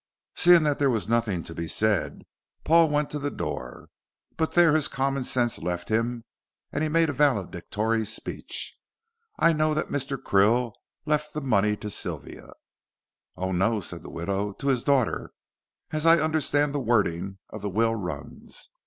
Seeing that there was nothing to be said, Paul went to the door. But there his common sense left him and he made a valedictory speech. "I know that Mr. Krill left the money to Sylvia." "Oh, no," said the widow, "to his daughter, as I understand the wording of the will runs.